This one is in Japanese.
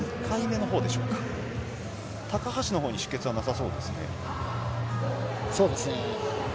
高橋のほうには出血はなさそうですね。